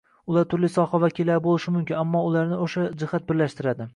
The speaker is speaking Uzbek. Ular turli soha vakillari bo‘lishi mumkin, ammo ularni o‘sha jihat birlashtiradi